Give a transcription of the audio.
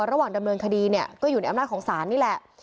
ระหว่างดำเนินคดีเนี่ยก็อยู่ในอำนาจของศาลนี่แหละ